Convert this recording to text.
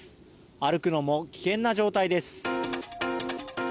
歩くのも危険な状態です。